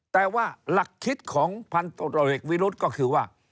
แต่ว่าหลักคิดของพันตรวจเอกวิรุธก็คือว่า